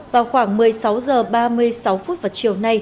vào khoảng một mươi sáu h ba mươi sáu phút vào chiều nay